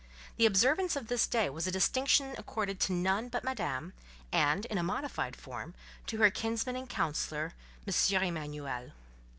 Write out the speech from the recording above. The observance of this day was a distinction accorded to none but Madame, and, in a modified form, to her kinsman and counsellor, M. Emanuel.